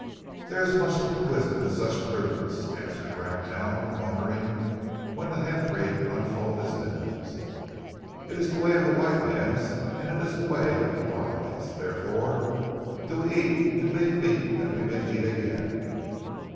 "There is much wisdom in such prudence," answered Bracknell, wondering when the half breed would unfold his news. "It is ze way of ze white mans, and it is ze way of ze wise, therefore do we eat and leave meat that we may eat again."